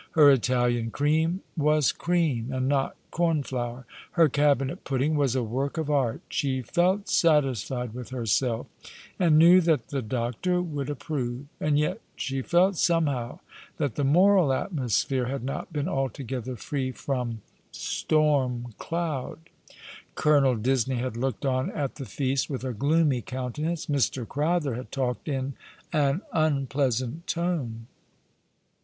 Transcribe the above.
Her Italian cream was cream, and not corn flour. Her cabinet pudding was a vrork of art. She felt satisfied with herself, and knew that the doctor would approve ; and yet she felt somehow that the moral atmospliere had not been altogether free from storm cloud. Colonel Disney had looked on at the feast with a gloomy countenance ; Mr. Crowther had talked in an unpleasant tone.